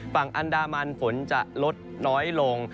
ฝั่งอันดามันฝนจะลดน้อยลง